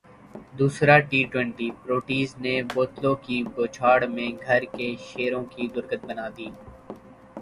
دوسرا T twenty Proteas نے بوتلوں کی بوچھاڑمیں گھر کے شیروں کی درگت بنادی